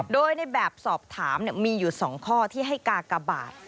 โดยในแบบสอบถามมีอยู่๒ข้อที่ให้กากบาท